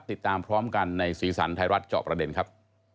ติดตามพร้อมกันในสีสันไทยรัฐจอบประเด็นครับ